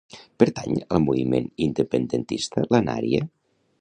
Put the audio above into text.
Pertany al moviment independentista la Naria?